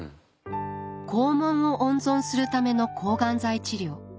肛門を温存するための抗がん剤治療。